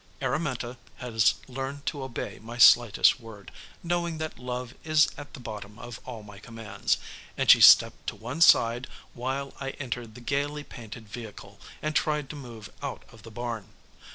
Araminta has learned to obey my slightest word, knowing that love is at the bottom of all my commands, and she stepped to one side while I entered the gayly painted vehicle and tried to move out of the barn.